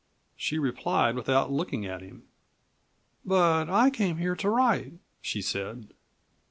She replied without looking at him. "But I came here to write," she said.